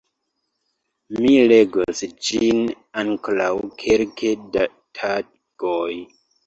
Mi legos ĝin ankoraŭ kelke da tagoj.